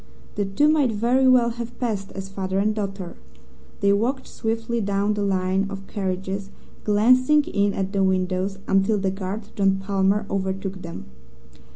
The two might very well have passed as father and daughter. They walked swiftly down the line of carriages, glancing in at the windows, until the guard, John Palmer, overtook them.